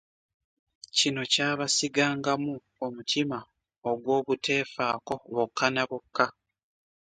Kino kyabasigangamu omutima ogw’obuteefaako bokka na bokka.